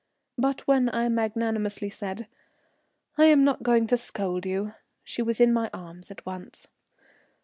But when I magnanimously said, "I am not going to scold you," she was in my arms at once.